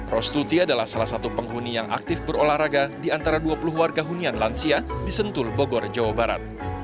rostuti adalah salah satu penghuni yang aktif berolahraga di antara dua puluh warga hunian lansia di sentul bogor jawa barat